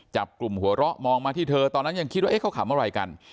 จับกลุ่มหัวเราะมองมาที่เธอตอนนั้นยังคิดว่าเขาขำอะไรกัน